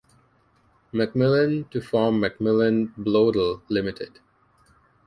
MacMillan to form MacMillan Bloedel Limited.